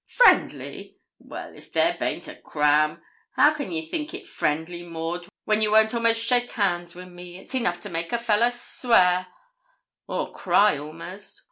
'Friendly! Well, if there baint a cram! How can ye think it friendly, Maud, when ye won't a'most shake hands wi' me? It's enough to make a fellah sware, or cry a'most.